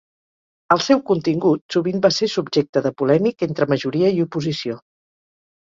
El seu contingut sovint va ser subjecte de polèmic entre majoria i oposició.